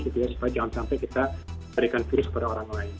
supaya jangan sampai kita berikan virus kepada orang lain